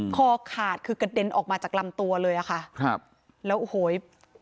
คอขาดคือกระเด็นออกมาจากลำตัวเลยอะค่ะครับแล้วโอ้โห